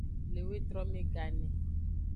Le wetrome gane.